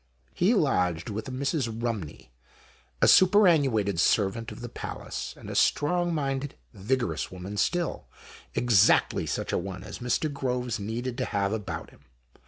He lodged with a Mrs. Rumney, a superannuated servant of the Palace, and a strong minded vigorous woman still, exactly such a one as Mr. Groves needed to have about him.